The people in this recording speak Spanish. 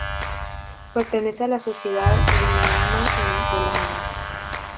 Pertenece a la Sociedad linneana de Londres.